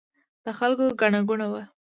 د خلکو ګڼه ګوڼه وه.